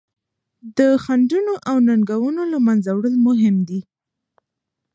د خنډونو او ننګونو له منځه وړل مهم دي.